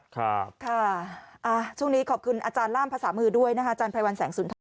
ครับค่ะช่วงนี้ขอบคุณอาจารย์ล่ามภาษามือด้วยนะคะอาจารย์ไพรวัลแสงสุนทร